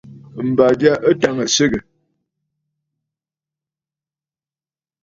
M̀bà ja ɨ tàŋə̀ swegè.